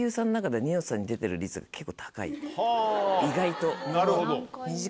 意外と。